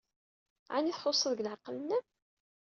Ɛni txuṣṣed deg leɛqel-nnem?